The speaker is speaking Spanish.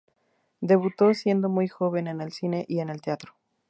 Debutó siendo muy joven en el cine y en el teatro.